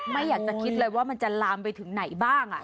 ไม่อยากจะคิดเลยว่ามันจะลามไปถึงไหนบ้าง